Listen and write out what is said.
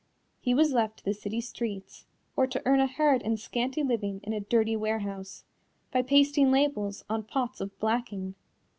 He was left to the city streets, or to earn a hard and scanty living in a dirty warehouse, by pasting labels on pots of blacking.